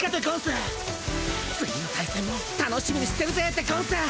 次の対戦も楽しみにしてるぜでゴンス！